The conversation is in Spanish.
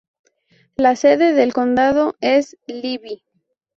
La sede del condado es Libby.